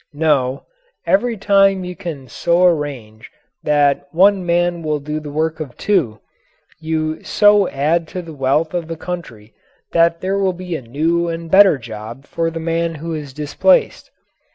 No, every time you can so arrange that one man will do the work of two, you so add to the wealth of the country that there will be a new and better job for the man who is displaced.